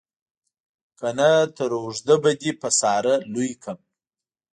که نه تر اوږده به دې په ساره لوی کړم.